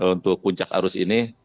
untuk puncak arus ini